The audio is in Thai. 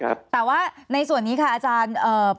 ค่ะแต่ว่าในส่วนนี้ค่ะอาจารย์